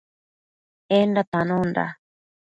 Enda tanonda